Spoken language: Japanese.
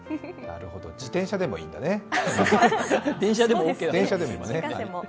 なるほど、自転車でもいいんだね、電車でも。